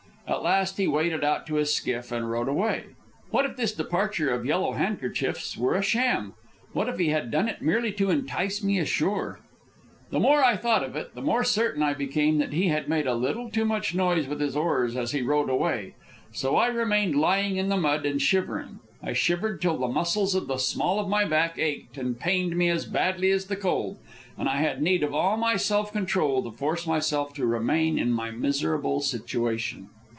At last he waded out to his skiff and rowed away. What if this departure of Yellow Handkerchief's were a sham? What if he had done it merely to entice me ashore? The more I thought of it the more certain I became that he had made a little too much noise with his oars as he rowed away. So I remained, lying in the mud and shivering. I shivered till the muscles of the small of my back ached and pained me as badly as the cold, and I had need of all my self control to force myself to remain in my miserable situation.